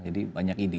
jadi banyak ide